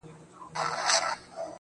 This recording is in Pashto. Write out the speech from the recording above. دغه سپينه سپوږمۍ~